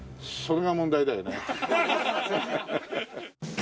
それが問題だよね。